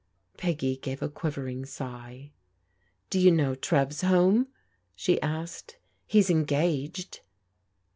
Peggy gave a quivering sigh. *' Do you know Trev's home ?" she asked. " He's engaged."